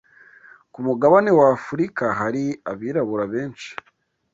ku mugabane w’Afurika hari abirabura benshi